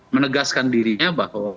menegaskan dirinya bahwa